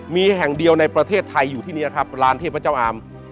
มีแห่งเดียวในประเทศไทยอยู่ที่นี่ครับลานเทพเจ้าอาม